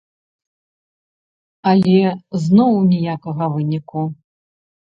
Але зноў ніякага выніку.